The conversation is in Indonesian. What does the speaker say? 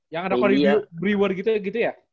yang ada corey weaver gitu ya